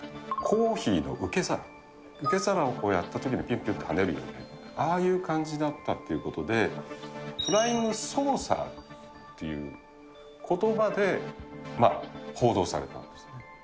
コーヒーの受け皿、受け皿をこうやったときに、ぴゅっぴゅっと跳ねるような、ああいう感じだったということで、フライングソーサーっていうことばで報道されたんです。